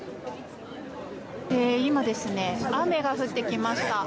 今、雨が降ってきました。